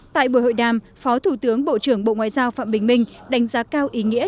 tại buổi hội đàm phó thủ tướng bộ trưởng bộ ngoại giao phạm bình minh đánh giá cao ý nghĩa